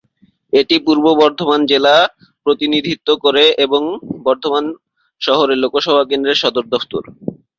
এটি পূর্ব বর্ধমান জেলা প্রতিনিধিত্ব করে এবং বর্ধমান শহরে লোকসভা কেন্দ্রের সদর দফতর।